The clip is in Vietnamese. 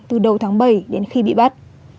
từ đầu tháng bảy đến khi bị bắt